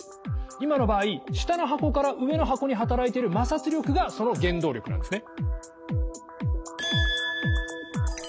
今の場合下の箱から上の箱に働いてる摩擦力がその原動力なんですね。